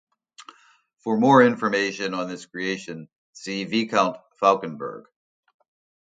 For more information on this creation, see Viscount Fauconberg.